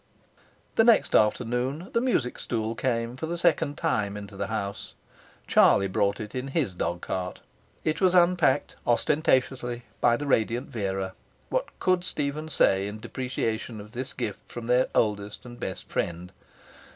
The next afternoon the music stool came, for the second time, into the house. Charlie brought it in HIS dogcart. It was unpacked ostentatiously by the radiant Vera. What could Stephen say in depreciation of this gift from their oldest and best friend?